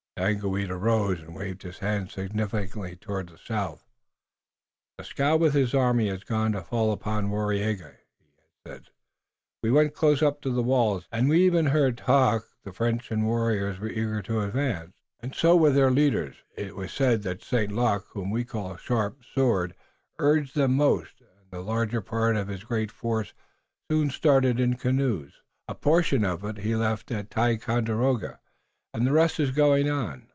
Daganoweda rose and waved his hand significantly toward the south. "Dieskau with his army has gone to fall upon Waraiyageh," he said. "We went close up to the walls, and we even heard talk. The French and the warriors were eager to advance, and so were their leaders. It was said that St. Luc, whom we call Sharp Sword, urged them most, and the larger part of his great force soon started in canoes. A portion of it he left at Ticonderoga, and the rest is going on.